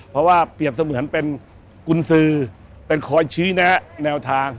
เพราะว่าเปรียบเสมือนเป็นกุญสือเป็นคอยชี้แนะแนวทาง